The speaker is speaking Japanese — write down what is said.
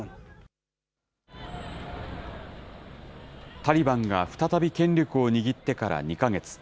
タリバンが再び権力を握ってから２か月。